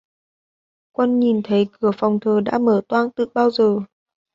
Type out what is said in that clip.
Quân nhìn thấy cửa phòng thờ đã mở toang tự bảo giờ